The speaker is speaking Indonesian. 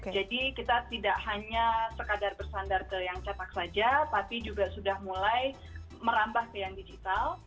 jadi kita tidak hanya sekadar bersandar ke yang cetak saja tapi juga sudah mulai merambah ke yang digital